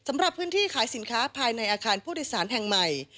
สำหรับพื้นที่ขายสินค้าภายในอาคารผู้โดยสารแห่งใหม่